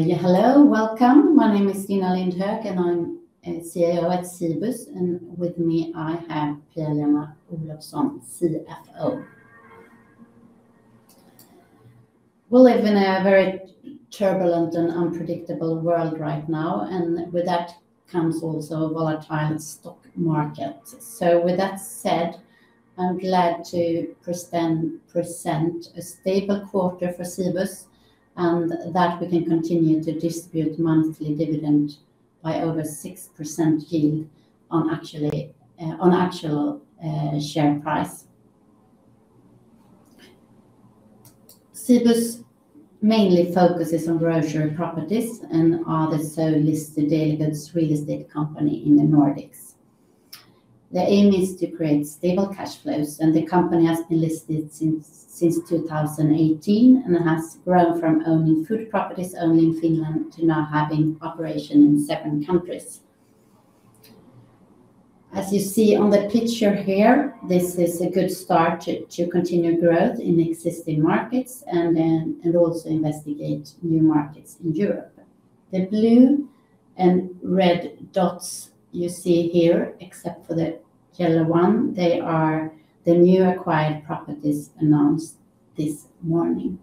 Yeah, hello. Welcome. My name is Stina Lindh Hök, and I'm CEO at Cibus, and with me, I have Pia-Lena Olofsson, CFO. We live in a very turbulent and unpredictable world right now, and with that comes also a volatile stock market. With that said, I'm glad to present a stable quarter for Cibus, and that we can continue to distribute monthly dividend by over 6% yield on actual share price. Cibus mainly focuses on grocery properties and is the sole listed real estate company in the Nordics. The aim is to create stable cash flows, and the company has been listed since 2018 and has grown from owning food properties only in Finland to now having operation in 7 countries. As you see on the picture here, this is a good start to continue growth in existing markets and also investigate new markets in Europe. The blue and red dots you see here, except for the yellow one, they are the new acquired properties announced this morning.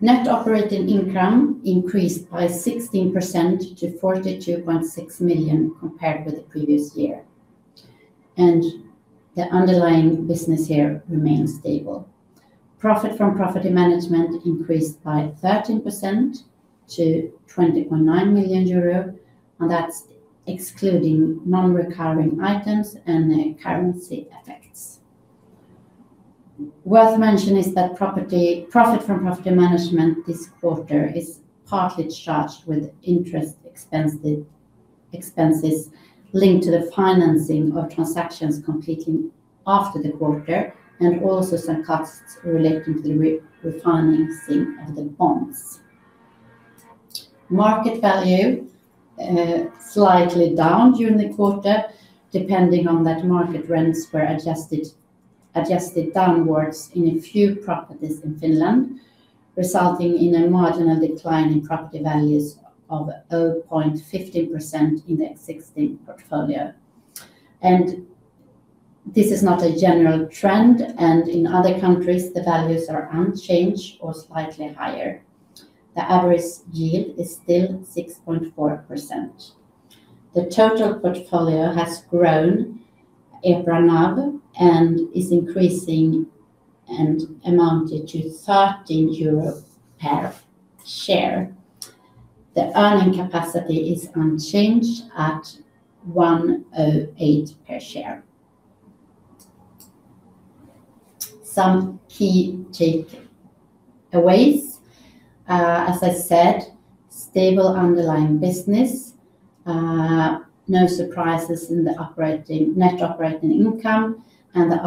Net operating income increased by 16% to 42.6 million compared with the previous year. The underlying business here remains stable. Profit from property management increased by 13% to 20.9 million euro, and that's excluding non-recurring items and the currency effects. Worth mentioning is that Profit from property management this quarter is partly charged with interest expenses linked to the financing of transactions completing after the quarter and also some costs relating to the re-refinancing of the bonds. Market value, slightly down during the quarter, depending on that market rents were adjusted downwards in a few properties in Finland, resulting in a marginal decline in property values of 0.15% in the existing portfolio. This is not a general trend, and in other countries, the values are unchanged or slightly higher. The average yield is still 6.4%. The total portfolio has grown EPRA NAV and is increasing and amounted to 13 euro per share. The earning capacity is unchanged at 108 per share. Some key takeaways. As I said, stable underlying business. No surprises in the operating, net operating income, and the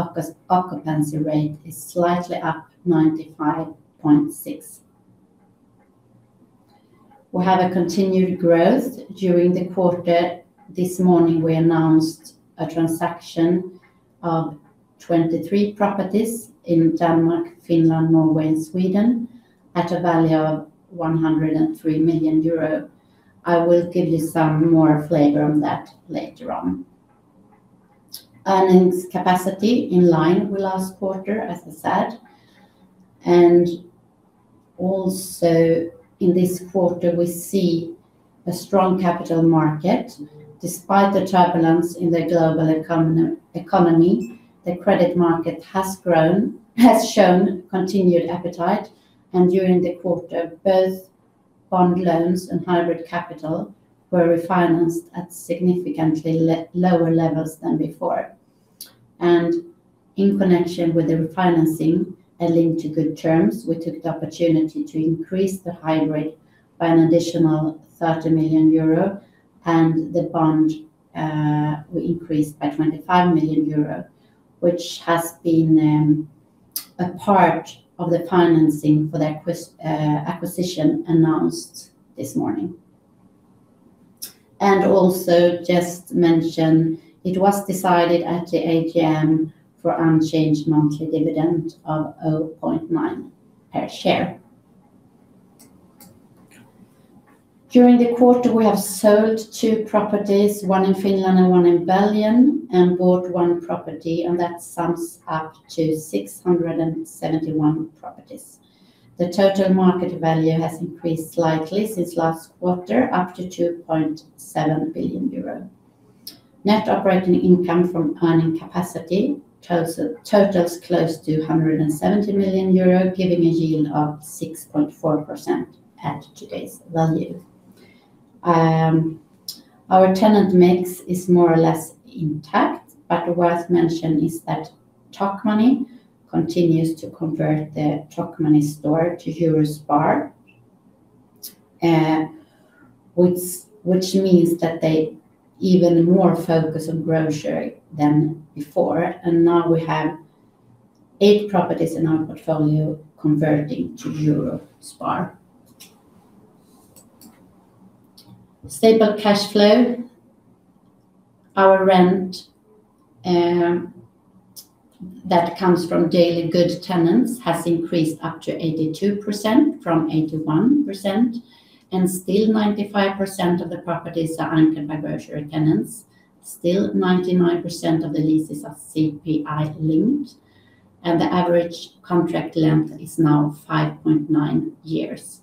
occupancy rate is slightly up 95.6%. We have a continued growth during the quarter. This morning, we announced a transaction of 23 properties in Denmark, Finland, Norway, and Sweden at a value of 103 million euro. I will give you some more flavor on that later on. Earning Capacity in line with last quarter, as I said. Also, in this quarter, we see a strong capital market. Despite the turbulence in the global economy, the credit market has grown, has shown continued appetite, and during the quarter, both bond loans and hybrid capital were refinanced at significantly lower levels than before. In connection with the refinancing and linked to good terms, we took the opportunity to increase the hybrid by an additional 30 million euro, and the bond we increased by 25 million euro, which has been a part of the financing for the acquisition announced this morning. Also just mention it was decided at the AGM for unchanged monthly dividend of 0.9 per share. During the quarter, we have sold two properties, 1 in Finland and 1 in Belgium, and bought one property, and that sums up to 671 properties. The total market value has increased slightly since last quarter, up to 2.7 billion euro. Net operating income from Earning Capacity totals close to 170 million euro, giving a yield of 6.4% at today's value. Our tenant mix is more or less intact, but worth mentioning is that Tokmanni continues to convert the Tokmanni store to EUROSPAR, which means that they even more focus on grocery than before. Now we have 8 properties in our portfolio converting to EUROSPAR. Stable cash flow. Our rent that comes from daily goods tenants has increased up to 82% from 81%, and still 95% of the properties are anchored by grocery tenants. Still, 99% of the leases are CPI linked, and the average contract length is now 5.9 years.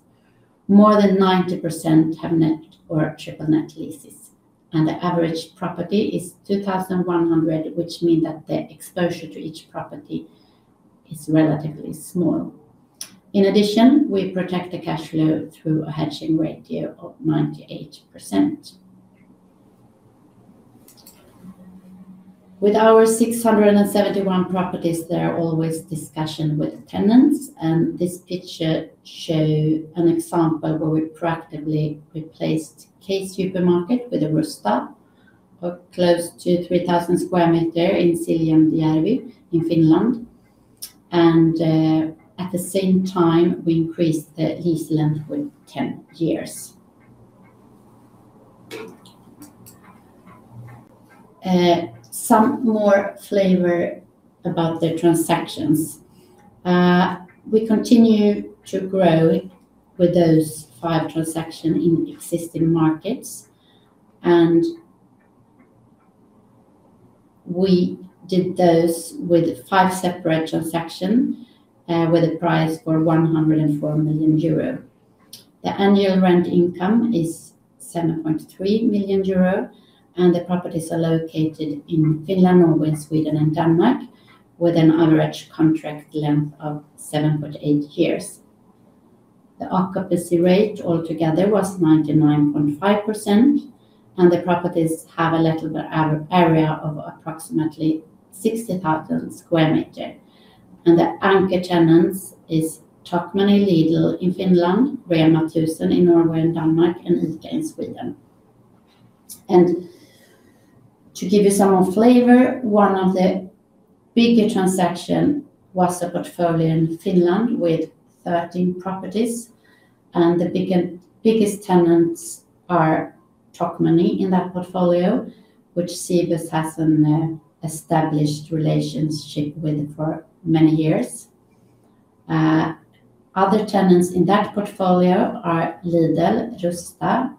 More than 90% have net or Triple Net Leases, and the average property is 2,100, which mean that the exposure to each property is relatively small. In addition, we protect the cash flow through a hedging ratio of 98%. With our 671 properties, there are always discussion with tenants, and this picture shows an example where we proactively replaced K-Supermarket with a Rusta of close to 3,000 square meters in Siilinjärvi in Finland. At the same time, we increased the lease length with 10 years. Some more flavor about the transactions. We continue to grow with those five transactions in existing markets, and we did those with five separate transactions, with a price for 104 million euro. The annual rent income is 7.3 million euro, and the properties are located in Finland, Norway, Sweden, and Denmark, with an average contract length of 7.8 years. The occupancy rate altogether was 99.5%, and the properties have a lettable area of approximately 60,000 sq m. The anchor tenants are Tokmanni, Lidl in Finland, REMA 1000 in Norway and Denmark, and ICA in Sweden. To give you some more flavor, one of the bigger transaction was a portfolio in Finland with 13 properties, and the biggest tenants are Tokmanni in that portfolio, which Cibus has an established relationship with for many years. Other tenants in that portfolio are Lidl, Rusta,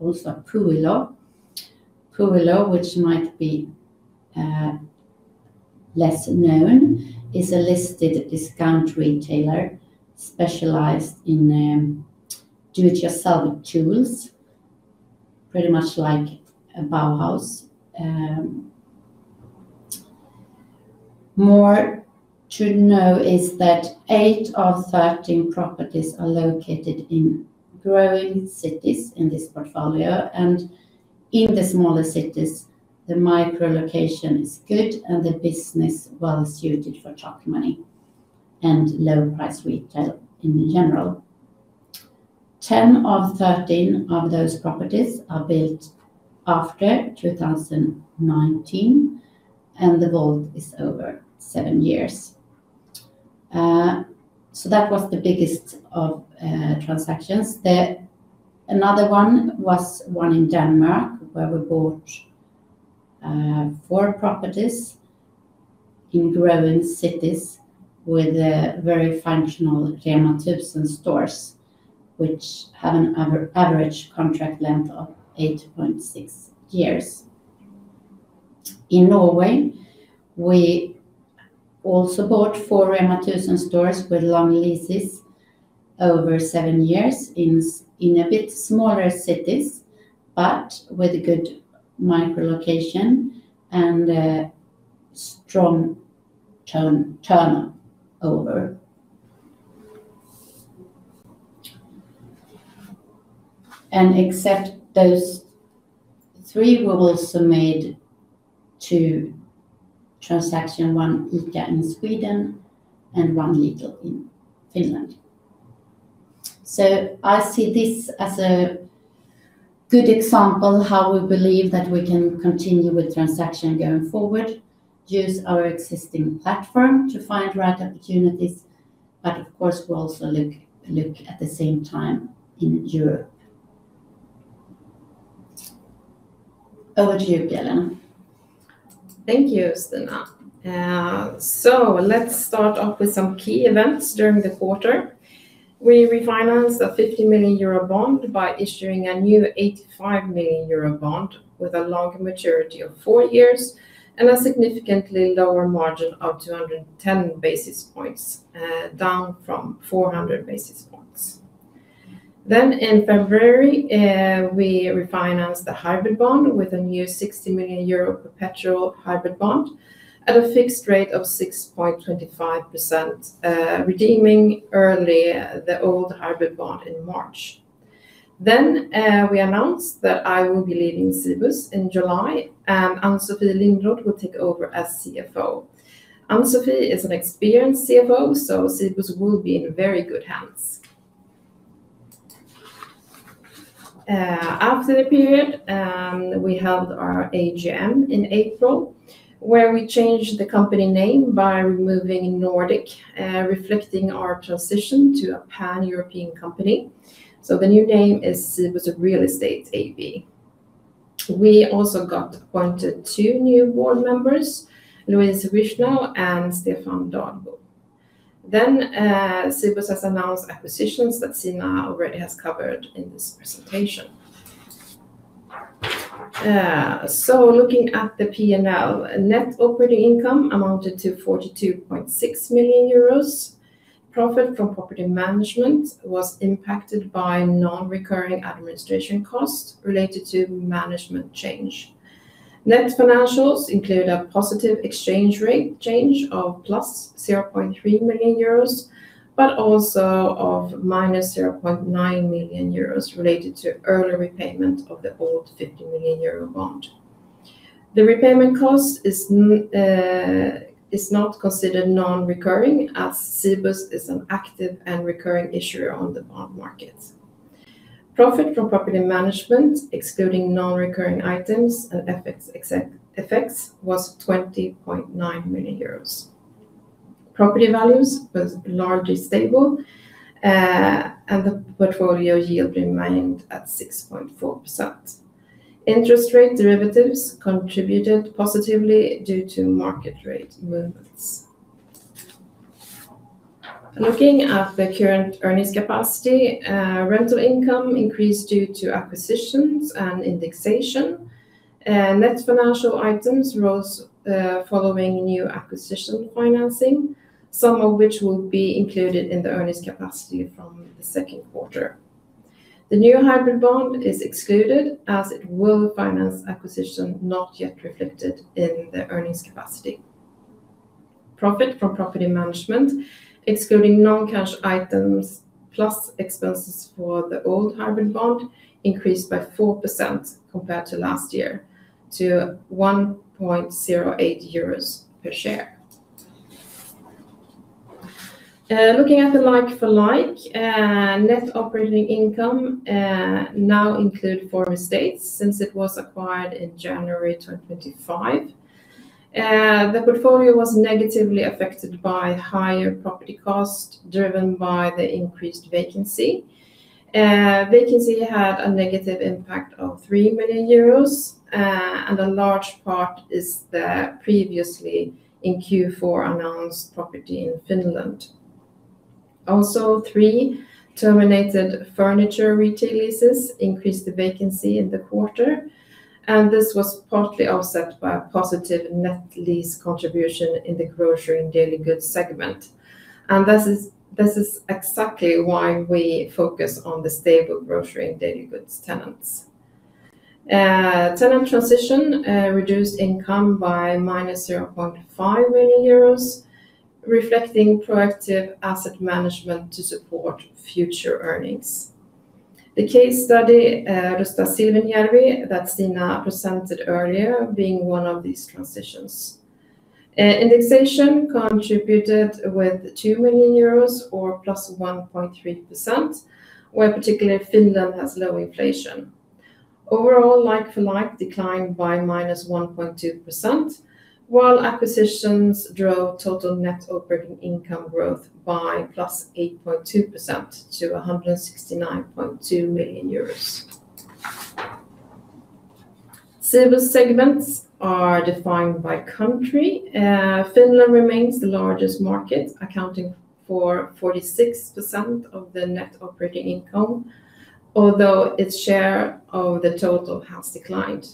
also Puuilo. Puuilo, which might be less known, is a listed discount retailer specialized in do it yourself tools, pretty much like a Bauhaus. More to know is that 8 of 13 properties are located in growing cities in this portfolio. In the smaller cities, the micro location is good, and the business well-suited for Tokmanni and low-price retail in general. 10 of 13 of those properties are built after 2019, and the WAULT is over 7 years. That was the biggest of transactions. Another one was in Denmark, where we bought four properties in growing cities with a very functional REMA 1000 stores, which have an average contract length of 8.6 years. In Norway, we also bought four REMA 1000 stores with long leases over 7 years in a bit smaller cities, but with a good micro location and a strong turnover. Except those three, we also made two transaction, one ICA in Sweden and one Lidl in Finland. I see this as a good example how we believe that we can continue with transaction going forward, use our existing platform to find right opportunities, but of course, we also look at the same time at Europe. Over to you, Pia-Lena. Thank you, Stina. Let's start off with some key events during the quarter. We refinanced a 50 million euro bond by issuing a new 85 million euro bond with a longer maturity of 4 years and a significantly lower margin of 210 basis points, down from 400 basis points. In February, we refinanced the hybrid bond with a new 60 million euro perpetual hybrid bond at a fixed rate of 6.25%, redeeming early the old hybrid bond in March. We announced that I will be leaving Cibus in July, and Ann-Sofie Lindroth will take over as CFO. Ann-Sofie is an experienced CFO, Cibus will be in very good hands. After the period, we held our AGM in April, where we changed the company name by removing Nordic, reflecting our transition to a pan-European company. The new name is Cibus Real Estate AB. We also got appointed two new board members, Louise Richnau and Stefan Dahlbo. Cibus has announced acquisitions that Stina Lindh Hök already has covered in this presentation. Looking at the P&L, net operating income amounted to 42.6 million euros. Profit from property management was impacted by non-recurring administration costs related to management change. Net financials include a positive exchange rate change of +0.3 million euros, but also of -0.9 million euros related to early repayment of the old 50 million euro bond. The repayment cost is not considered non-recurring as Cibus is an active and recurring issuer on the bond market. Profit from property management, excluding non-recurring items and effects, was 20.9 million euros. Property values was largely stable, and the portfolio yield remained at 6.4%. Interest rate derivatives contributed positively due to market rate movements. Looking at the current earnings capacity, rental income increased due to acquisitions and indexation. Net financial items rose, following new acquisition financing, some of which will be included in the earnings capacity from the second quarter. The new hybrid bond is excluded as it will finance acquisition not yet reflected in the earnings capacity. Profit from property management, excluding non-cash items plus expenses for the old hybrid bond, increased by 4% compared to last year to 1.08 euros per share. Looking at the like-for-like net operating income, now include Forum Estates since it was acquired in January 2025. The portfolio was negatively affected by higher property costs driven by the increased vacancy. Vacancy had a negative impact of 3 million euros, a large part is the previously in Q4 announced property in Finland. Three terminated furniture retail leases increased the vacancy in the quarter, this was partly offset by a positive net lease contribution in the grocery and daily goods segment. This is exactly why we focus on the stable grocery and daily goods tenants. Tenant transition reduced income by minus 0.5 million euros, reflecting proactive asset management to support future earnings. The case study, Rusta Siilinjärvi, that Stina presented earlier, being one of these transitions. Indexation contributed with 2 million euros or +1.3%, where particularly Finland has low inflation. Overall, like-for-like declined by -1.2%, while acquisitions drove total net operating income growth by +8.2% to 169.2 million euros. Cibus segments are defined by country. Finland remains the largest market, accounting for 46% of the net operating income, although its share of the total has declined.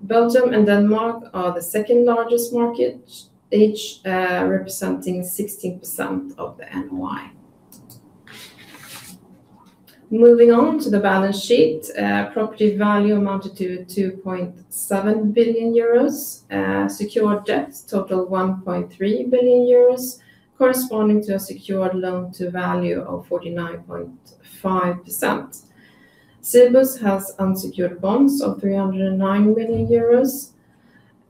Belgium and Denmark are the second-largest market, each representing 16% of the NOI. Moving on to the balance sheet. Property value amounted to 2.7 billion euros. Secured debts total 1.3 billion euros, corresponding to a secured Loan to Value of 49.5%. Cibus has unsecured bonds of 309 million euros.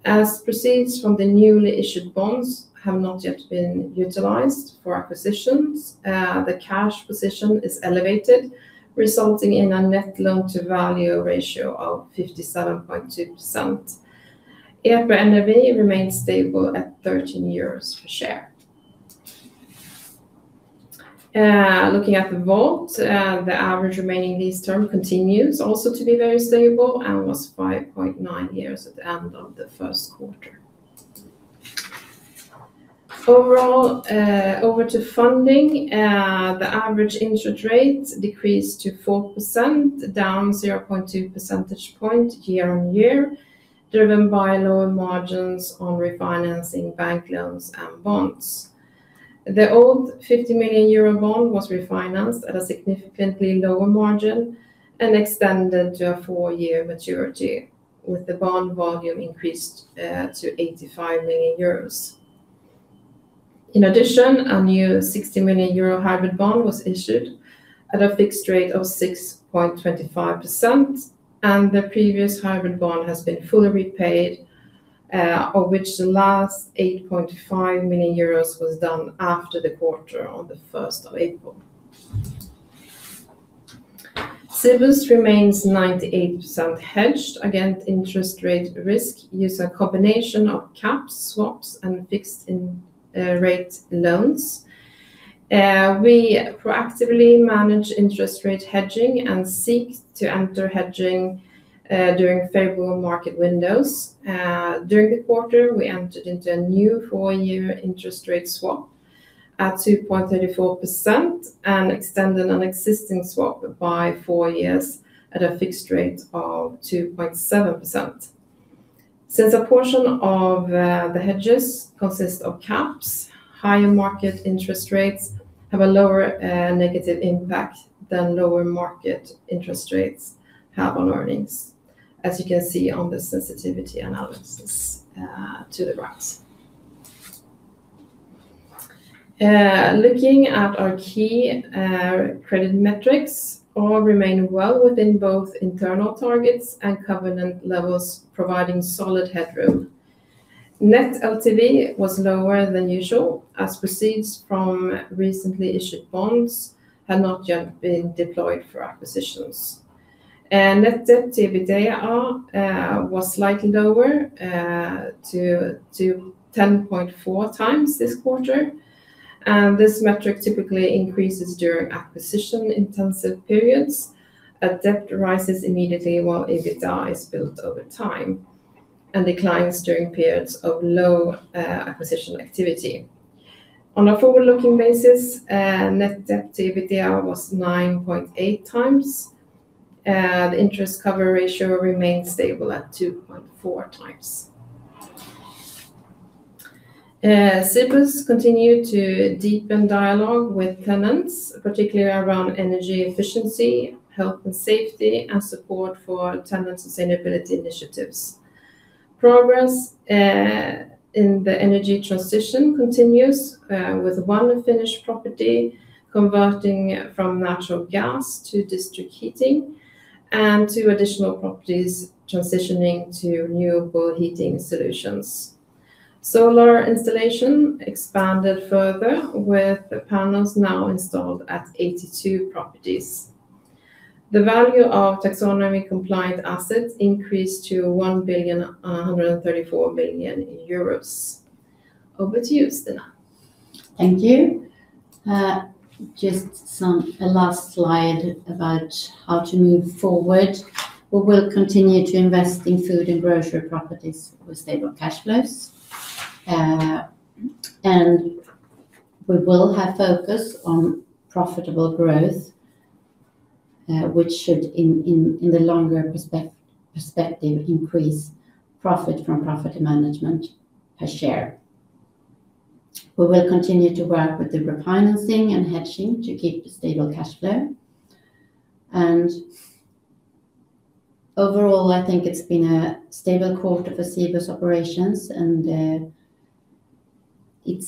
As proceeds from the newly issued bonds have not yet been utilized for acquisitions, the cash position is elevated, resulting in a net loan to value ratio of 57.2%. Fair value remains stable at 13 euros per share. Looking at the vault, the average remaining lease term continues also to be very stable and was 5.9 years at the end of the first quarter. Overall, over to funding, the average interest rate decreased to 4%, down 0.2 percentage point year-over-year, driven by lower margins on refinancing bank loans and bonds. The old 50 million euro bond was refinanced at a significantly lower margin and extended to a 4-year maturity, with the bond volume increased to 85 million euros. In addition, a new 60 million euro hybrid bond was issued at a fixed rate of 6.25%. The previous hybrid bond has been fully repaid, of which the last 8.5 million euros was done after the quarter on the 1st of April. Cibus remains 98% hedged against interest rate risk, use a combination of caps, swaps, and fixed rate loans. We proactively manage interest rate hedging and seek to enter hedging during favorable market windows. During the quarter, we entered into a new 4-year interest rate swap at 2.34% and extended an existing swap by 4 years at a fixed rate of 2.7%. Since a portion of the hedges consist of caps, higher market interest rates have a lower negative impact than lower market interest rates have on earnings, as you can see on the sensitivity analysis to the graphs. Looking at our key credit metrics, all remain well within both internal targets and covenant levels, providing solid headroom. Net LTV was lower than usual, as proceeds from recently issued bonds had not yet been deployed for acquisitions. Net Debt to EBITDA was slightly lower to 10.4 times this quarter. This metric typically increases during acquisition-intensive periods. Debt rises immediately while EBITDA is built over time and declines during periods of low acquisition activity. On a forward-looking basis, Net Debt to EBITDA was 9.8 times. The Interest Coverage Ratio remains stable at 2.4 times. Cibus continue to deepen dialogue with tenants, particularly around energy efficiency, health and safety, and support for tenant sustainability initiatives. Progress in the energy transition continues with one Finnish property converting from natural gas to district heating and two additional properties transitioning to renewable heating solutions. Solar installation expanded further with panels now installed at 82 properties. The value of Taxonomy-compliant assets increased to 1.134 billion. Over to you, Stina. Thank you. A last slide about how to move forward. We will continue to invest in food and grocery properties with stable cash flows. We will have focus on profitable growth, which should, in the longer perspective, increase profit from property management per share. We will continue to work with the refinancing and hedging to keep stable cash flow. Overall, I think it's been a stable quarter for Cibus operations, and it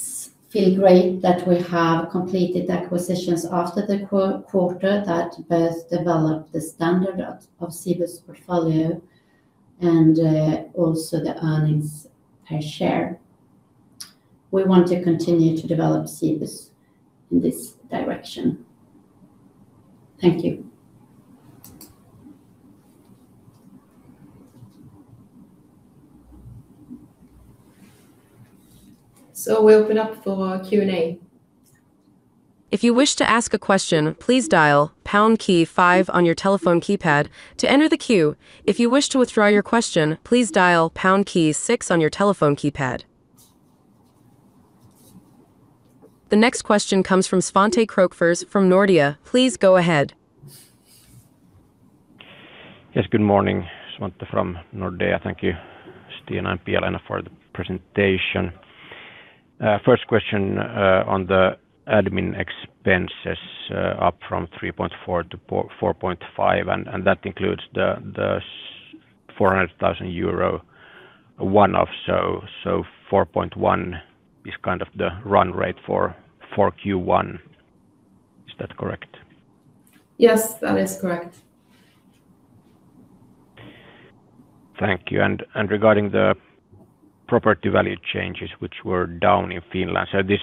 feels great that we have completed acquisitions after the quarter that both develop the standard of Cibus portfolio and also the earnings per share. We want to continue to develop Cibus in this direction. Thank you. We open up for Q&A. The next question comes from Svante Krokfors from Nordea. Please go ahead. Yes, good morning. Svante from Nordea. Thank you, Stina and Pia-Lena, for the presentation. First question, on the admin expenses, up from 3.4 to 4.5. That includes the 400,000 euro one-off. 4.1 is kind of the run rate for Q1. Is that correct? Yes, that is correct. Thank you. Regarding the property value changes which were down in Finland, this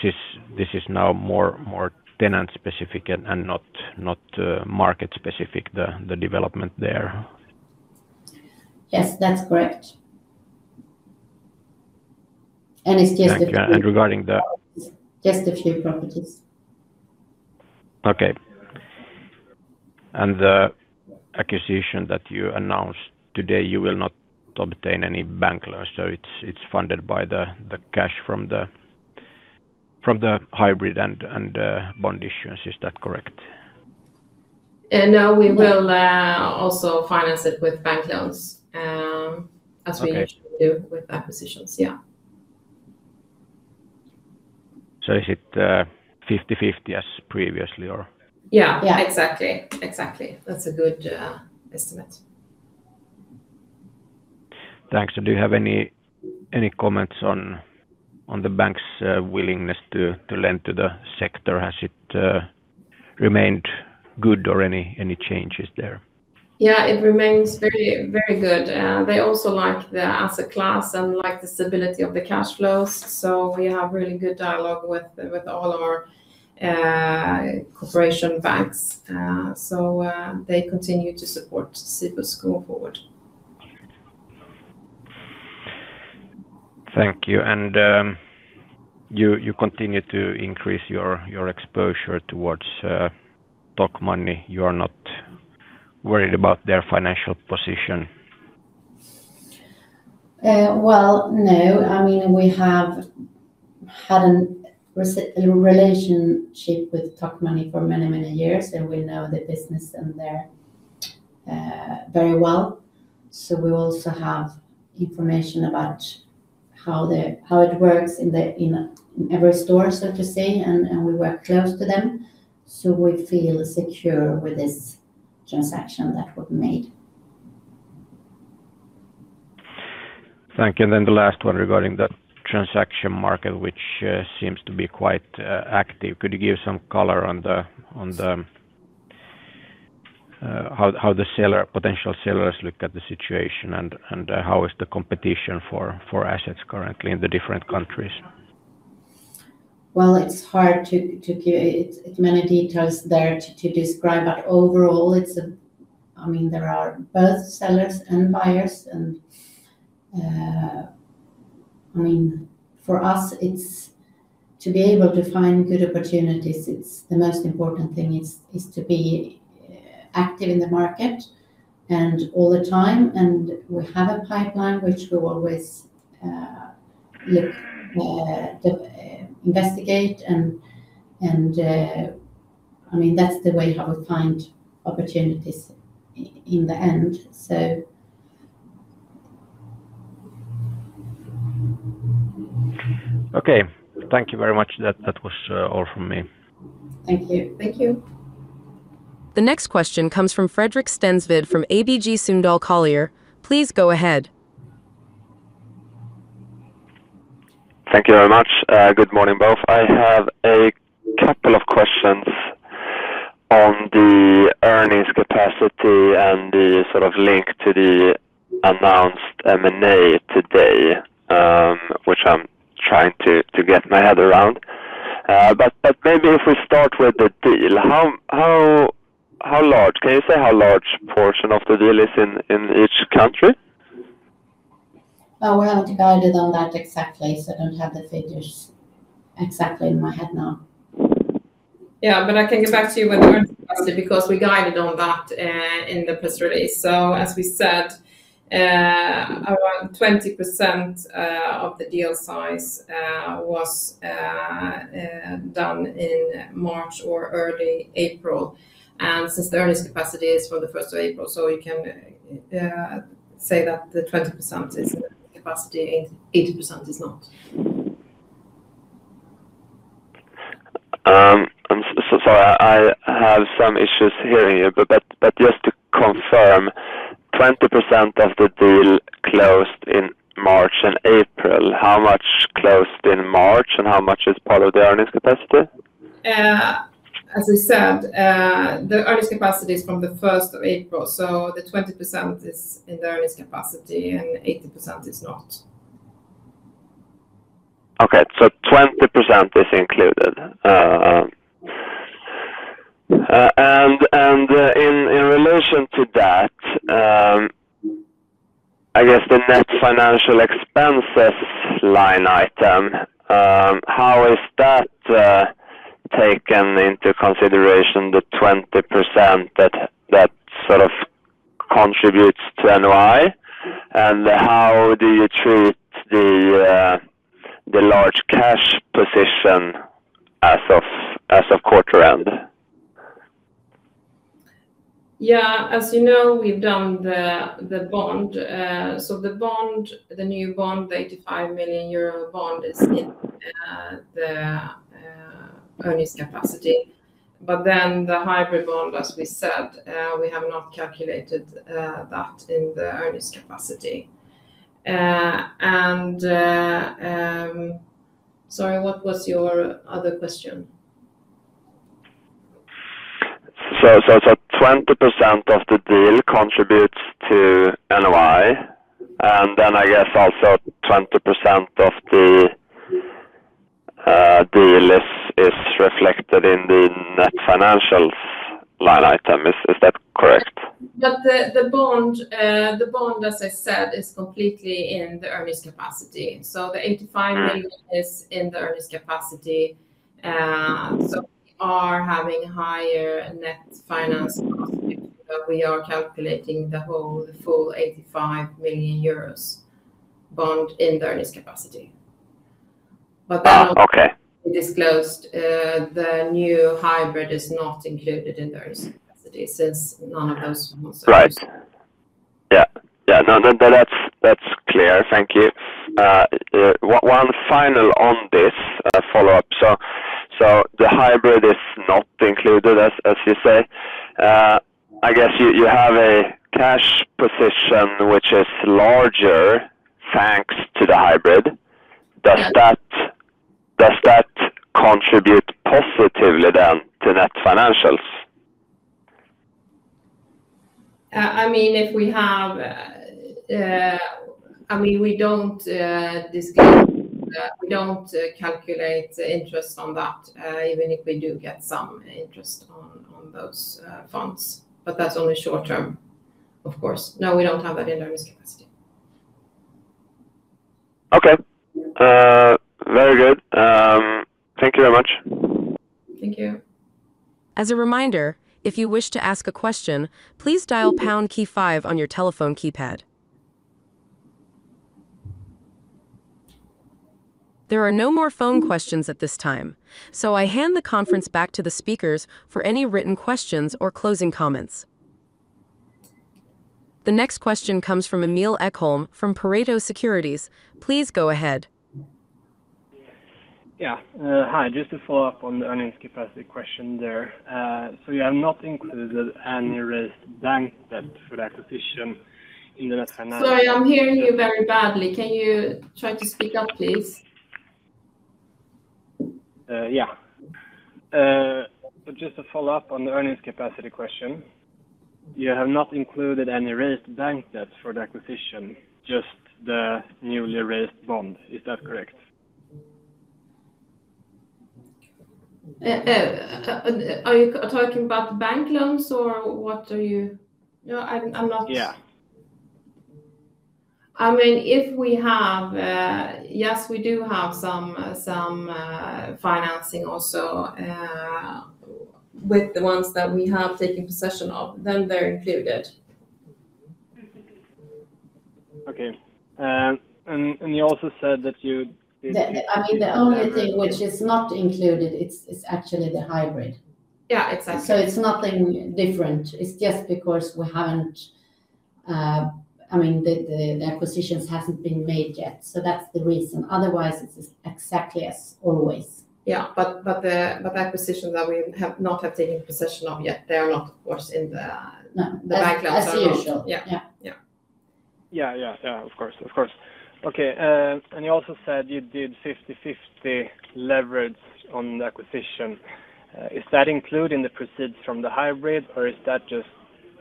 is now more tenant specific and not market specific, the development there? Yes, that's correct. Thank you. Just a few properties. Okay. The acquisition that you announced today, you will not obtain any bank loans, so it's funded by the cash from the hybrid and bond issuance. Is that correct? No, we will also finance it with bank loans. Okay usually do with acquisitions, yeah. Is it 50/50 as previously, or? Yeah. Yeah. Exactly. Exactly. That's a good estimate. Thanks. Do you have any comments on the bank's willingness to lend to the sector? Has it remained good or any changes there? Yeah, it remains very, very good. They also like the asset class and like the stability of the cash flows. We have really good dialogue with all our corporation banks. They continue to support Cibus going forward. Thank you. You continue to increase your exposure towards Tokmanni. You are not worried about their financial position? Well, no. I mean, we have had a relationship with Tokmanni for many, many years, and we know the business and their, very well. We also have information about how it works in every store, so to say, and we work close to them, so we feel secure with this transaction that we've made. Thank you. The last one regarding the transaction market, which seems to be quite active. Could you give some color on the how the seller, potential sellers look at the situation and how is the competition for assets currently in the different countries? Well, it's hard to give many details there to describe. Overall, I mean, there are both sellers and buyers. I mean, for us it's to be able to find good opportunities, it's the most important thing is to be active in the market all the time. We have a pipeline which we always look, investigate, I mean, that's the way how we find opportunities in the end. Okay. Thank you very much. That was all from me. Thank you. Thank you. The next question comes from Fredrik Stensved from ABG Sundal Collier. Please go ahead. Thank you very much. Good morning, both. I have a couple of questions on the earnings capacity and the sort of link to the announced M&A today, which I am trying to get my head around. Maybe if we start with the deal. Can you say how large portion of the deal is in each country? Oh, we haven't guided on that exactly. I don't have the figures exactly in my head now. I can get back to you with Earnings Capacity because we guided on that in the press release. As we said, around 20% of the deal size was done in March or early April. Since the Earnings Capacity is for the 1st of April, we can say that the 20% is capacity, 80% is not. I'm so sorry. I have some issues hearing you. Just to confirm, 20% of the deal closed in March and April. How much closed in March, and how much is part of the Earning Capacity? As I said, the Earning Capacity is from the 1st of April. The 20% is in the Earning Capacity and 80% is not. 20% is included. In relation to that, I guess the net financial expenses line item, how is that taken into consideration the 20% that sort of contributes to NOI? How do you treat the large cash position as of quarter end? Yeah, as you know, we've done the bond. The bond, the new bond, the 85 million euro bond is in the Earning Capacity. The hybrid bond, as we said, we have not calculated that in the Earning Capacity. Sorry, what was your other question? 20% of the deal contributes to NOI. I guess also 20% of the deal is reflected in the net financials line item. Is that correct? The bond, as I said, is completely in the Earning Capacity. The 85 million is in the Earning Capacity. We are having higher net finance costs because we are calculating the whole full 85 million euros bond in the Earning Capacity. Oh, okay. We disclosed, the new hybrid is not included in the Earning Capacity since none of those Right. Yeah. Yeah. No, that's, that's clear. Thank you. One final on this follow-up. The hybrid is not included as you say. I guess you have a cash position which is larger thanks to the hybrid. Yes. Does that contribute positively then to net financials? I mean, if we have, I mean, we don't discount. We don't calculate interest on that, even if we do get some interest on those funds, but that's only short term. Of course. No, we don't have an Earning Capacity. Okay. Very good. Thank you very much. Thank you. There are no more phone questions at this time, so I hand the conference back to the speakers for any written questions or closing comments. The next question comes from Emil Ekholm from Pareto Securities. Please go ahead. Yeah. Hi. Just to follow up on the Earning Capacity question there. You have not included any raised bank debt for the acquisition in the net finance. Sorry, I'm hearing you very badly. Can you try to speak up, please? Yeah. Just to follow up on the Earning Capacity question. You have not included any raised bank debt for the acquisition, just the newly raised bond. Is that correct? Are you talking about bank loans or what are you? No, I'm not. Yeah. I mean, Yes, we do have some financing also with the ones that we have taken possession of, then they're included. Okay. You also said that you. I mean, the only thing which is not included, it's actually the hybrid. Yeah, exactly. It's nothing different. It's just because we haven't, I mean, the acquisitions hasn't been made yet. That's the reason. Otherwise, it's exactly as always. Yeah. The acquisition that we have not taken possession of yet, they are not, of course, in the. No The bank loans are As usual. Yeah. Yeah. Yeah. Yeah, yeah. Of course, of course. Okay, you also said you did 50/50 leverage on the acquisition. Is that including the proceeds from the hybrid, or is that just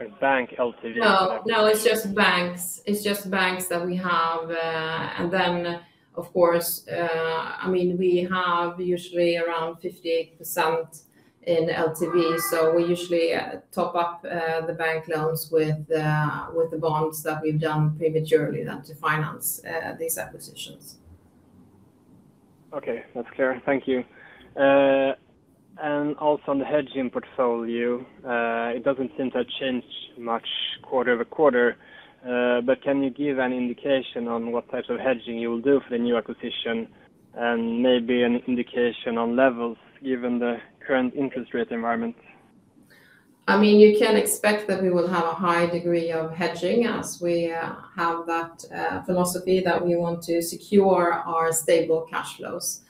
a bank LTV? No, no, it's just banks. It's just banks that we have. Of course, I mean, we have usually around 58% in LTV. We usually top up the bank loans with the bonds that we've done prematurely then to finance these acquisitions. Okay. That's clear. Thank you. Also on the hedging portfolio, it doesn't seem to change much quarter-over-quarter. Can you give an indication on what types of hedging you will do for the new acquisition, and maybe an indication on levels given the current interest rate environment? I mean, you can expect that we will have a high degree of hedging as we have that philosophy that we want to secure our stable cash flows.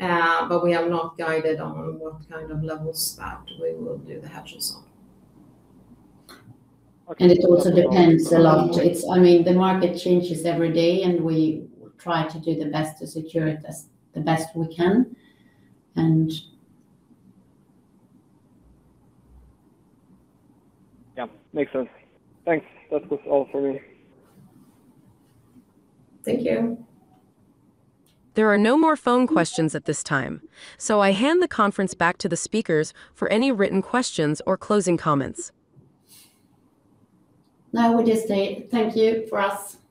We have not guided on what kind of levels that we will do the hedges on. It also depends a lot. I mean, the market changes every day, and we try to do the best to secure it as the best we can. Yeah. Makes sense. Thanks. That was all for me. Thank you. There are no more phone questions at this time, so I hand the conference back to the speakers for any written questions or closing comments. No, we just say thank you for us. Thank you.